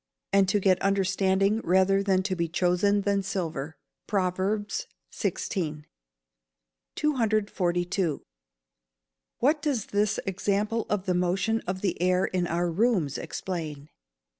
and to get understanding rather to be chosen than silver." PROVERBS XVI.] 242. _What does this example of the motion of the air in our rooms explain?